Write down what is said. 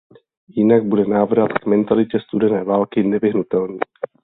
Jinak bude návrat k mentalitě studené války nevyhnutelný.